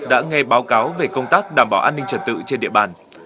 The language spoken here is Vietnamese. đã nghe báo cáo về công tác đảm bảo an ninh trật tự trên địa bàn